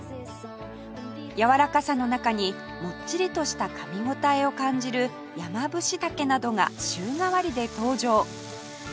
やわらかさの中にモッチリとした噛み応えを感じるヤマブシタケなどが週替わりで登場